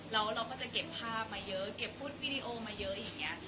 แล้วเราก็จะเก็บภาพมาเยอะเก็บพูดวีดีโอมาเยอะอย่างนี้